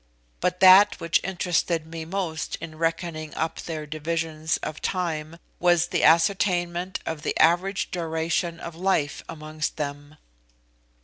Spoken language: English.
But that which interested me most in reckoning up their divisions of time was the ascertainment of the average duration of life amongst them.